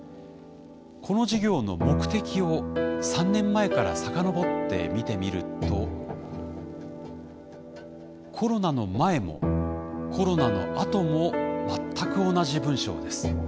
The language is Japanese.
この事業の目的を３年前から遡って見てみるとコロナの前もコロナのあとも全く同じ文章です。